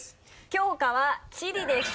教科は地理です。